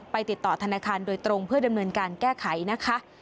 ติดต่อธนาคารโดยตรงเพื่อดำเนินการแก้ไขนะคะ